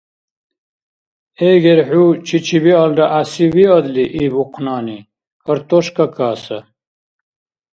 Эгер, хӀу чичи–биалра гӀясивиадли, — иб ухънани, — картошка каса.